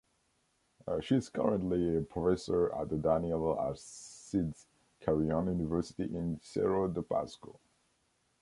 She is currently a professor at the Daniel Alcides Carrión University in Cerro de Pasco.